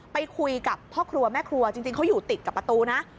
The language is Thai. ไปคุยกับพ่อครัวแม่ครัวจริงเขาอยู่ติดกับประตูนะ